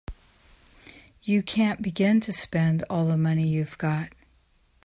You can't begin to spend all the money you've got.